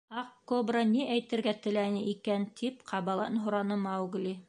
— Аҡ кобра ни әйтергә теләне икән? — тип ҡабалан һораны Маугли.